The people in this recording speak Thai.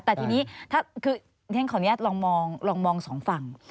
แต่ทีนี้ถ้าคือฉันขออนุญาตลองมองสองฝั่ง